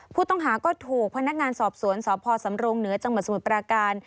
ผู้ต้องหาก็ถูกพนักงานสอบสวนสพสำรงเหนือจังหวัดสมุทรปราการ